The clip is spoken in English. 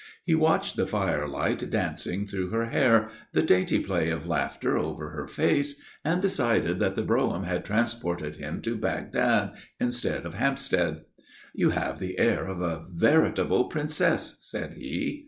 He watched the firelight dancing through her hair, the dainty play of laughter over her face, and decided that the brougham had transported him to Bagdad instead of Hampstead. "You have the air of a veritable princess," said he.